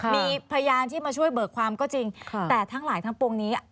มีพยานที่มาช่วยเบิกความก็จริงแต่ทั้งหลายทั้งปวงนี้